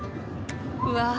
うわ